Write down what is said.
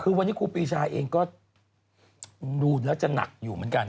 คือวันนี้ครูปีชาเองก็ดูแล้วจะหนักอยู่เหมือนกัน